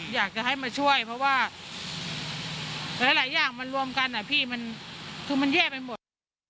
อยากจะให้มาช่วยเพราะว่าหลายอย่างมันรวมกันอะพี่มันคือมันแย่ไปหมด